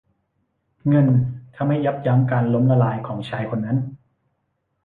เงินทำให้ยับยั้งการล้มละลายของชายคนนั้น